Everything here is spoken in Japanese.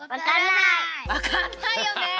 わかんないよね。